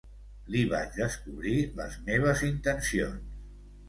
Li vaig descobrir les meves intencions.